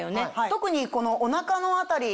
特にこのお腹の辺り。